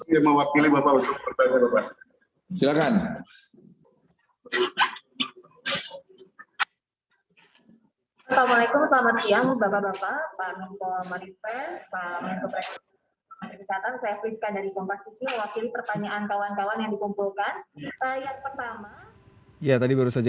yang pertama ya tadi baru saja